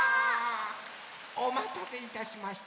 おまたせいたしました。